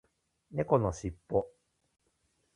猫のしっぽ